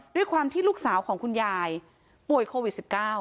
ด้วยความที่ลูกสาวของคุณยายป่วยโควิด๑๙